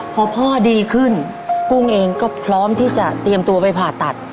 พอพ่อดีขึ้นกุ้งเองก็พร้อมที่จะเตรียมตัวไปผ่าตัด